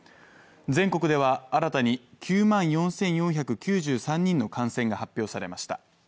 全国では新たに９万４４９３人の感染が発表されました。